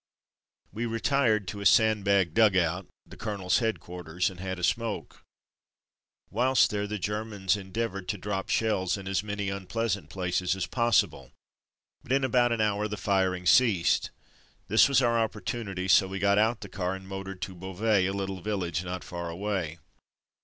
We retired to a sand bagged dugout — the colonel's headquarters, and had a smoke. Salvation Army Canteen 277 Whilst there, the Germans endeavoured to drop shells in as many unpleasant places as possible, but in about an hour the firing ceased. This was our opportunity, so we got out the car and motored to Beauvais, a little village not far away.